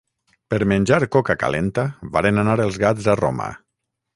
Per menjar coca calenta varen anar els gats a Roma.